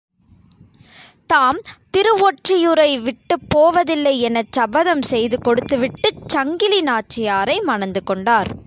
தாம் திருவொற்றியூரை விட்டுப் போவதில்லை எனச் சபதம் செய்து கொடுத்துவிட்டுச் சங்கிலி நாச்சியாரை மணந்து கொண்டார்.